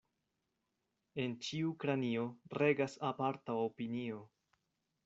En ĉiu kranio regas aparta opinio.